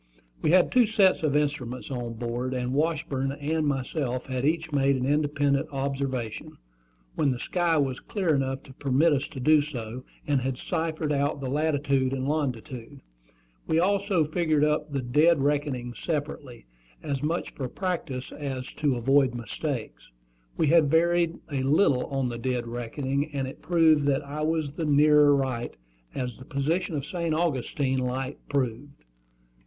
We had two sets of instruments on board; and Washburn and myself had each made an independent observation, when the sky was clear enough to permit us to do so, and had ciphered out the latitude and longitude. We had also figured up the dead reckoning separately, as much for practice as to avoid mistakes. We had varied a little on the dead reckoning, and it proved that I was the nearer right, as the position of St. Augustine Light proved.